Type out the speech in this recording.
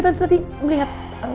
tante tante melihat